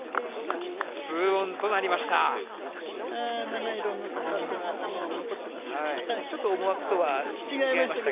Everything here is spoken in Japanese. ２オンとなりました。